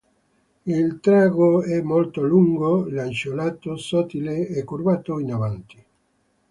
Il trago è molto lungo, lanceolato, sottile e curvato in avanti.